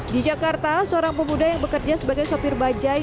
di jakarta seorang pemuda yang bekerja sebagai sopir bajai